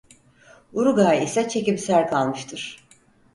Uruguay ise çekimser kalmıştır.